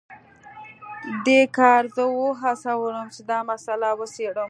دې کار زه وهڅولم چې دا مسله وڅیړم